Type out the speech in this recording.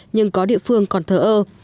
nhưng có địa phương còn thở ơ